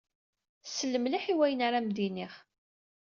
Sel mliḥ i wayen ara am-d-iniɣ.